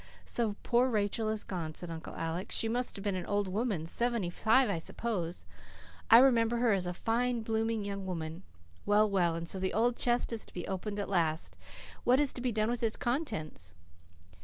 "So poor Rachel is gone," said Uncle Alec. "She must have been an old woman seventy five I suppose. I remember her as a fine, blooming young woman. Well, well, and so the old chest is to be opened at last. What is to be done with its contents?"